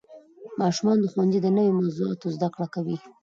ماشومان د ښوونځي د نوې موضوعاتو زده کړه کوي